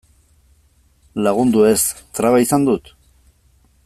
Lagundu ez, traba izan dut?